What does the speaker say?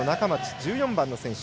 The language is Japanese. １４番の選手。